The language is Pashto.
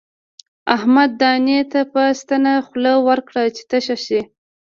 احمد دانې ته په ستنه خوله ورکړه چې تشه شي.